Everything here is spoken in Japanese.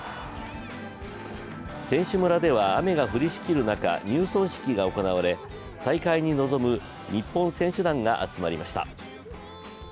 選手村では雨が降りしきる中、入村式が行われ、大会に臨む日本選手団が集まりました。